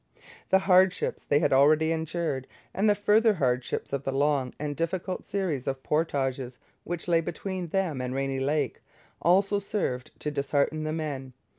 The hardships they had already endured, and the further hardships of the long and difficult series of portages which lay between them and Rainy Lake, also served to dishearten the men.